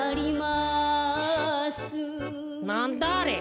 なんだあれ？